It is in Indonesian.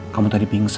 kamu tadi pingsan